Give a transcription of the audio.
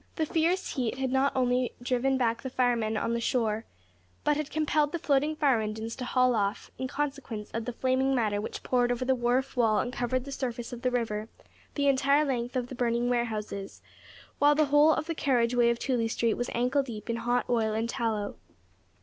The fierce heat had not only driven back the firemen on shore, but had compelled the floating fire engines to haul off, in consequence of the flaming matter which poured over the wharf wall and covered the surface of the river the entire length of the burning warehouses; while the whole of the carriageway of Tooley Street was ankle deep in hot oil and tallow.